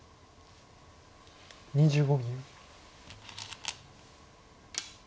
２５秒。